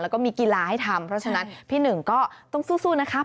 แล้วก็มีกีฬาให้ทำเพราะฉะนั้นพี่หนึ่งก็ต้องสู้นะครับ